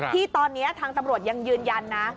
ที่ตอนนี้ทางตำรวจยังยืนยันนะ